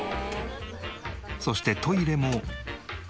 そしてトイレも。